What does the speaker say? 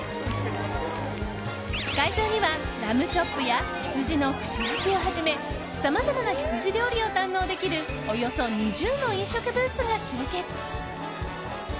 会場にはラムチョップや羊の串焼きをはじめさまざまな羊料理を堪能できるおよそ２０の飲食ブースが集結。